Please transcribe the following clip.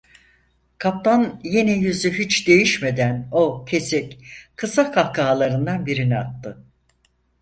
Kaptan, yine yüzü hiç değişmeden o kesik, kısa kahkahalarından birini attı…